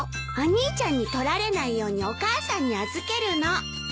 お兄ちゃんに取られないようにお母さんに預けるの。